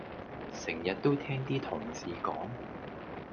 成日都聽啲同事講